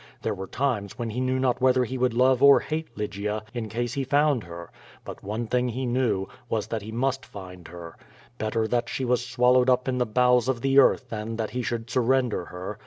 There were times when he knew not whether he would love or hate Lygia in case he found her; but one thing he knew, was that he must find lier. Better that she was swallowed up in the bowels of the earth than that he should surrender her.